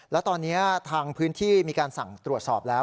แล้วตอนนี้ทางพื้นที่มีการสั่งตรวจสอบแล้ว